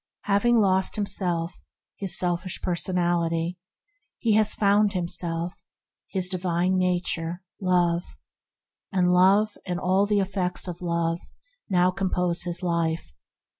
Having lost his sel fish personality, he has found his divine nature, Love; and Love and all the effects of Love now compose his life.